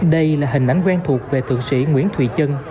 đây là hình ảnh quen thuộc về thượng sĩ nguyễn thụy trân